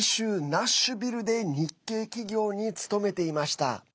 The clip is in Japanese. ナッシュビルで日系企業に勤めていました。